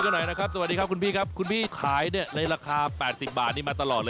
ฮ่าฮ่าฮ่าฮ่าฮ่าไม่เชื่อไม่เชื่อไม่เชื่อไม่เชื่อ